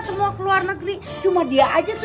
ada semua keluar negeri cuma dia aja tuh